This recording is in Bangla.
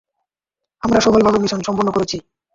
আমরা সফলভাবে মিশন সম্পন্ন করেছি।